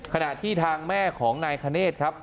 ขณะที่ทางแม่ของนายคเนธครับ